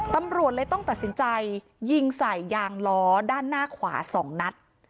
ตำรวจเลยต้องตัดสินใจยิงใส่ยางล้อด้านหน้าขวา๒นัด